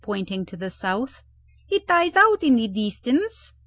pointing to the south. "It dies out in the distance.